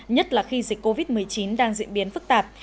nhất là khi dịch covid một mươi chín đang diễn biến phức tạp